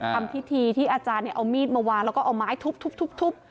ทำพิธีที่อาจารย์เอามีดมาวางแล้วก็เอาไม้ทุบ